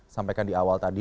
sampaikan di awal tadi